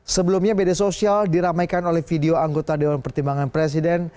sebelumnya media sosial diramaikan oleh video anggota dewan pertimbangan presiden